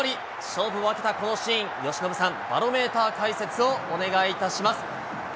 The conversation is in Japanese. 勝負を分けたこのシーン、由伸さん、バロメーター解説をお願いいたします。